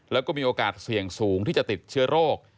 แล้วก็มีโอกาสเสี่ยงสูงที่จะติดเชื้อโรค